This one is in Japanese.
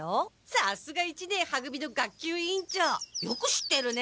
さすが一年は組の学級委員長よく知ってるね。